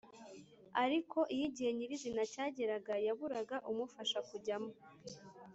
. Ariko iyo igihe nyirizina cyageraga, yaburaga umufasha kujyamo